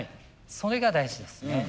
それが大事ですね。